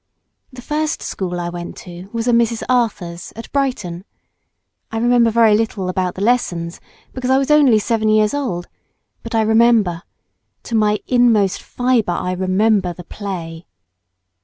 The first school I went to was a Mrs. Arthur's—at Brighton. I remember very little about the lessons, because I was only seven years old, but I remember—to my inmost fibre I remember the play.